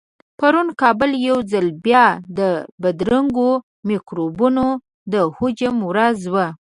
پرون کابل يو ځل بيا د بدرنګو مکروبونو د هجوم ورځ وه.